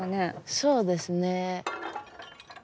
そうですね。